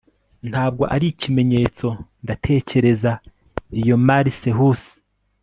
Ntabwo ari ikimenyetso ndatekereza iyo Mallice Huse